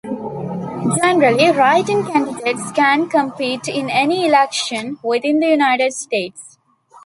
Generally, write-in candidates can compete in any election within the United States.